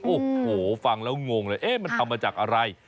โอ้โหฟังแล้วงงเลยเอ๊ะมันทำมาจากอะไร